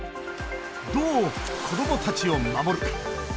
どう、子どもたちを守るか。